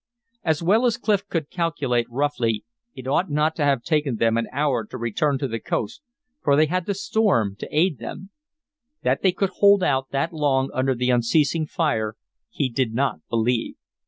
As well as Clif could calculate roughly, it ought not to have taken them an hour to return to the coast, for they had the storm to aid them. That they could hold out that long under the unceasing fire he did not believe.